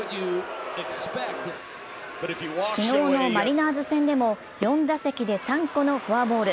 昨日のマリナーズ戦でも４打席で３個のフォアボール。